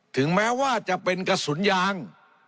ถึงแม้ว่าจะเป็นกระสุนยาง